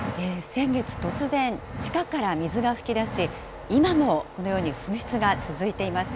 先月、突然、地下から水が噴き出し、今もこのように噴出が続いています。